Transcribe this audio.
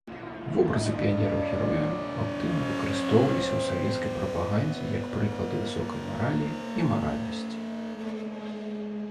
Вобразы піянераў-герояў актыўна выкарыстоўваліся ў савецкай прапагандзе як прыклады высокай маралі і маральнасці.